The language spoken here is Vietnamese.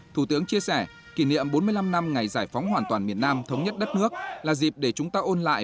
thủ tướng chia sẻ kỷ niệm bốn mươi năm năm ngày giải phóng hoàn toàn miền nam thống nhất đất nước là dịp để chúng ta ôn lại